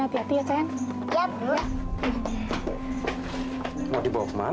di mendapatkan pengorbanan